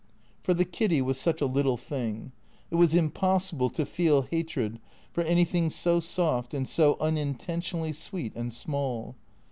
For the Kiddy was such a little thing. It was impossible to feel hatred for anything so soft and so unintentionally sweet and small.